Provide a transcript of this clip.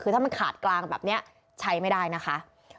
คือถ้ามันขาดกลางแบบนี้ใช้ไม่ได้นะคะ